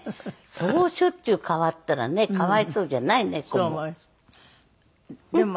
そうしょっちゅう変わったらねかわいそうじゃない猫も。